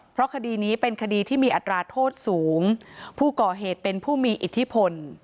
เพราะคดีนี้เป็นคดีที่มีอัตราโทษสูงผู้ก่อเหตุเป็นผู้มีอิทธิพล